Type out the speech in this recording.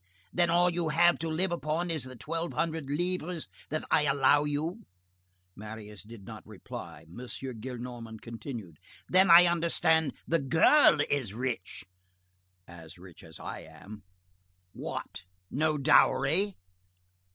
Then all that you have to live upon is the twelve hundred livres that I allow you?" Marius did not reply. M. Gillenormand continued:— "Then I understand the girl is rich?" "As rich as I am." "What! No dowry?"